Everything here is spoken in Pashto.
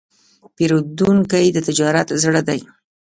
پیرودونکی د تجارت زړه دی.